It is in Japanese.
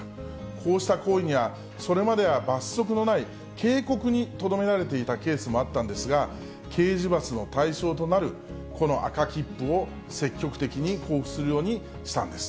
こうした行為は、それまでは罰則のない警告にとどめられていたケースもあったんですが、刑事罰の対象となるこの赤切符を積極的に交付するようにしたんです。